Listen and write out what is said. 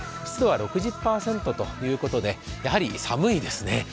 湿度は６０％ということでやはり寒いですね。